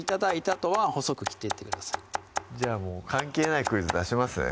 あとは細く切っていってくださいじゃあ関係ないクイズ出しますね